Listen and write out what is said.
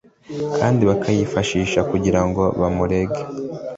kandi bakayifashisha kugira ngo bamurege.